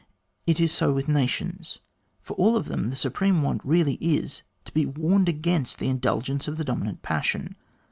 It is so with nations. For all of them the supreme want really is, to be warned against the indulgence of the dominant passion.